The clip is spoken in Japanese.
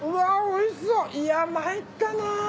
いやまいったな。